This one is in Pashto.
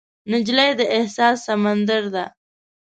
نجلۍ د احساس سمندر ده.